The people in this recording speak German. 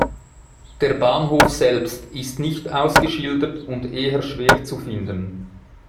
Der Bahnhof selbst ist nicht ausgeschildert und eher schwer zu finden.